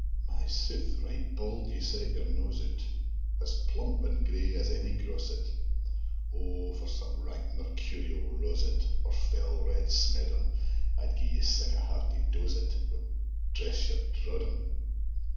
My sooth! right bauld ye set your nose out, As plump an' grey as ony groset: O for some rank, mercurial rozet, Or fell, red smeddum, I'd gie you sic a hearty dose o't, Wad dress your droddum.